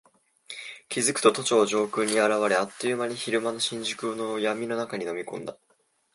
気付くと都庁上空に現れ、あっという間に昼間の新宿を闇の中に飲み込んだ。